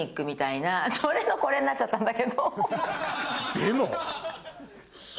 でも。